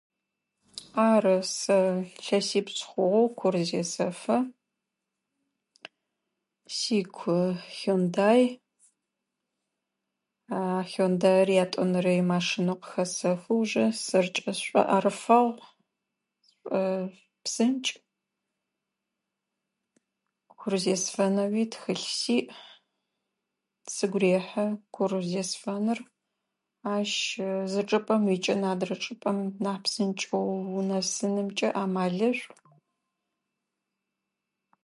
Ары, сэ илъэсипшӏы хъугъэу кур зесэфэ. Си ку «хендай». «Хендаир» ятӏонэрэ ямашинэу къыхэсэхы уже. Сэркӏэ сшӏуэӏарыфагъ. Псынкӏ. Кур зесфэнэуи тхылъ сиӏ. Сыгу рехьы кур зесфэныр. Ащ зы чӏыпӏэм уикӏыны адрэ чӏыпӏэм нахь псынкӏэу унэсынымкӏэ амалышӏу.